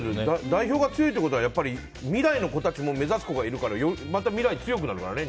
代表が強いってことは未来の子たちも目指す子がいるからまた未来、強くなるからね。